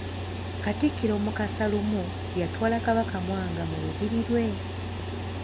Katikkiro Mukasa lumu yatwala Kabaka Mwanga mu lubiri lwe.